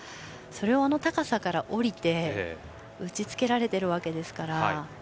それをあの高さから降りて打ち付けられているわけですから。